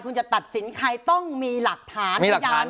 คุณใช้หลักฐาน